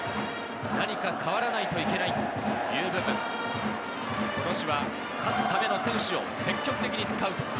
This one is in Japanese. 何か変わらないといけないという部分、今年は勝つための選手を積極的に使う。